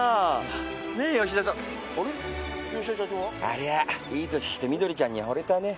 ありゃいい歳してみどりちゃんに惚れたね。